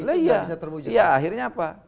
tidak bisa terwujud iya akhirnya apa